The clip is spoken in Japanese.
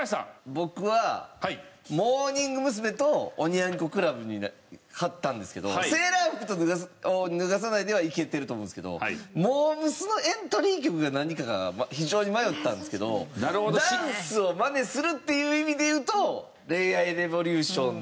僕はモーニング娘。とおニャン子クラブに張ったんですけど『セーラー服を脱がさないで』はいけてると思うんですけどモー娘。のエントリー曲が何かが非常に迷ったんですけどダンスをマネするっていう意味で言うと『恋愛レボリューション』。